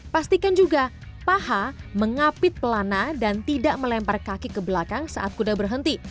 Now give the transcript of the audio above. pastikan juga paha mengapit pelana dan tidak melempar kaki ke belakang saat kuda berhenti